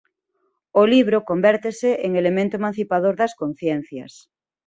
O libro convértese en elemento emancipador das conciencias.